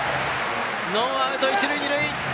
ノーアウト、一塁二塁！